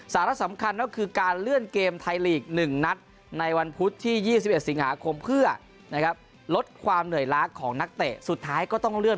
สาระสำคัญก็คือการเลื่อนเกมไทยลีก๑นัดในวันพุธที่๒๑สิงหาคมเพื่อลดความเหนื่อยล้าของนักเตะสุดท้ายก็ต้องเลื่อน